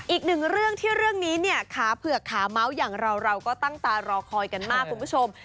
อีกหนึ่งเรื่องที่เรื่องนี้เนี่ยขาเผือกขาเมาส์อย่างเราเราก็ตั้งตารอคอยกันมากคุณผู้ชม